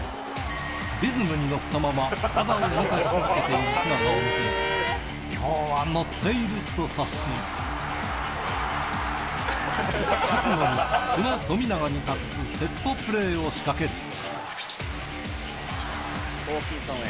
リズムに乗ったまま、体を動かし続けている姿を見て、きょうは乗っていると察し、直後にその富永に託すセットプレホーキンソンへ。